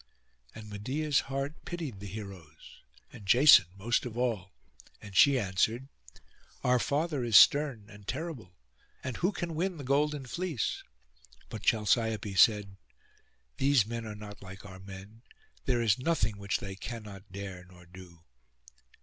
And Medeia's heart pitied the heroes, and Jason most of all; and she answered, 'Our father is stern and terrible, and who can win the golden fleece?' But Chalciope said, 'These men are not like our men; there is nothing which they cannot dare nor do.